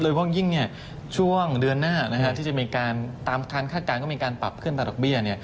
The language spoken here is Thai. เพราะยิ่งช่วงเดือนหน้าที่จะมีการตามการคาดการณ์ก็มีการปรับขึ้นตามดอกเบี้ย